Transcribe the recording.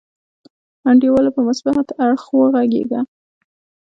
انډیواله په مثبت اړخ وغګیږه.